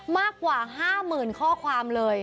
มากกว่า๕หมื่นข้อความเลย